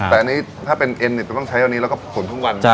แต่อันนี้ถ้าเป็นเอ็นจะต้องใช้อันนี้แล้วก็ฝุ่นทุกวัน